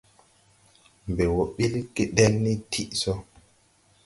Mbɛ wɔ ɓil gedel ni tiʼ so.